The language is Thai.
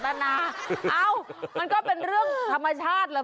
เอ้ามันก็เป็นเรื่องธรรมชาติแหละ